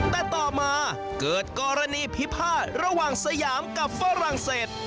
แต่ต่อมาเกิดกรณีพิพาทระหว่างสยามกับฝรั่งเศส